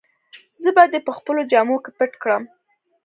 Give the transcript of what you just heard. زه به دي په خپلو جامو کي پټ کړم.